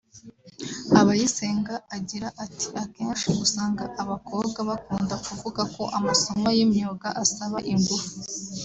Abayisenga agira ati“Akenshi usanga ababakobwa bakunda kuvuga ko amasomo y’imyuga asaba ingufu